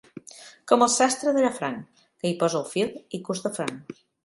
Com el sastre de Llafranc, que hi posa el fil i cus de franc.